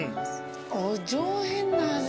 お上品な味。